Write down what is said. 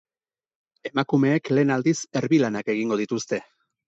Emakumeek lehen aldiz erbi-lanak egingo dituzte.